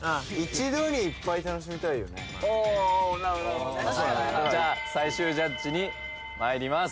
なるほどなるほどねじゃあ最終ジャッジにまいります